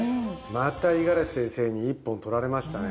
また五十嵐先生に一本取られましたね